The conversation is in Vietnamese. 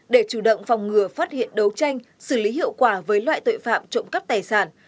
để chủ động phòng ngừa phát hiện đấu tranh xử lý hiệu quả với loại tội phạm trộm cắp tài sản